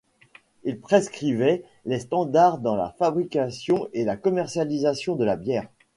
Il prescrivait les standards dans la fabrication et la commercialisation de la bière.